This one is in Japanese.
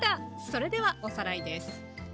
それではおさらいです。